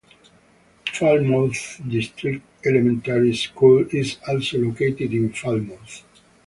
Falmouth District Elementary School is also located in Falmouth.